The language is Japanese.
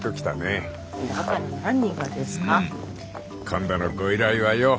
今度のご依頼はよ